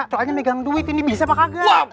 soalnya megang duit ini bisa pak kagak